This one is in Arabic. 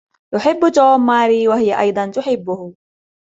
يحب "توم" "ماري" و هي أيضا تحبه